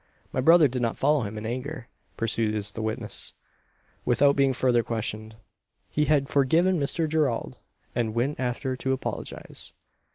"My brother did not follow him in anger," pursues the witness, without being further questioned. "He had forgiven Mr Gerald; and went after to apologise."